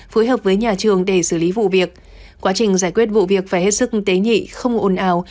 phối hợp với nhà trường để xử lý vụ việc quá trình giải quyết vụ việc phải hết sức tế nhị không ồn ào